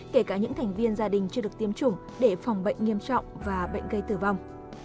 kể cả những thành viên gia đình chưa được tiêm chủng để phòng bệnh nghiêm trọng và bệnh gây tử vong